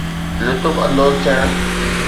لطف اندوز ٿيڻ